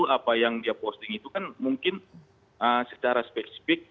apa yang dia posting itu kan mungkin secara spesifik